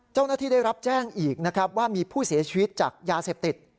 เจ้าหน้าที่ได้รับแจ้งอีกนะครับว่ามีผู้เสียชีวิตจากยาเสพติด